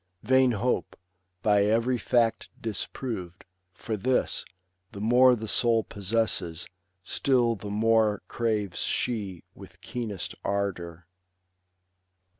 Vain hope, by every fact disproved ; for this, The more the soul possesses, still the more Craves she with keenest ardour.